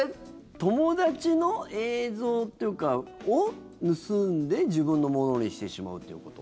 友達の映像を盗んで自分のものにしてしまうということ？